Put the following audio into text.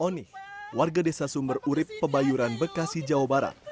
oni warga desa sumber urib pebayuran bekasi jawa barat